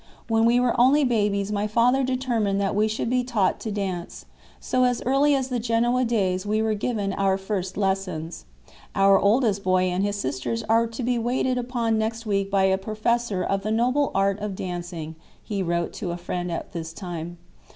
When we were only babies my father determined that we should be taught to dance, so as early as the Genoa days we were given our first lessons. "Our oldest boy and his sisters are to be waited upon next week by a professor of the noble art of dancing," he wrote to a friend at this time.